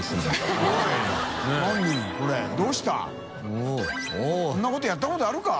おっこんなことやったことあるか？